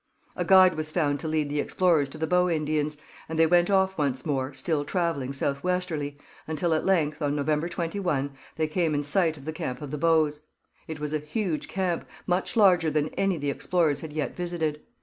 A guide was found to lead the explorers to the Bow Indians, and they went off once more, still travelling south westerly, until at length, on November 21, they came in sight of the camp of the Bows. It was a huge camp, much larger than any the explorers had yet visited.